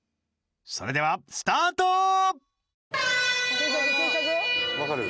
それではスタートわかる？